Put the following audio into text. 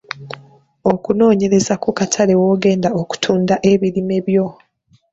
Okunoonyereza ku katale w’ogenda okutunda ebimera byo.